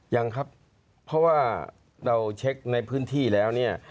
ยังครับเพราะว่าเราเช็คในพื้นที่แล้วเนี่ย